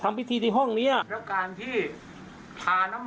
พระอาจารย์ออสบอกว่าอาการของคุณแป๋วผู้เสียหายคนนี้อาจจะเกิดจากหลายสิ่งประกอบกัน